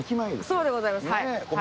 そうでございます。